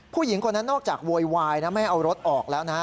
ผู้หญิงคนนั้นนอกจากโวยวายนะไม่เอารถออกแล้วนะ